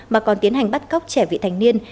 mà còn tiến hành bắt cóc trẻ vị thành niên